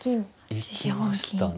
行きましたね。